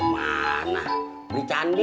maka pakai banget ya estyle